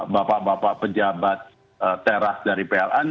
bapak bapak pejabat teras dari pln